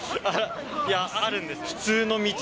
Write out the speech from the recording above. いや、あるんですよ。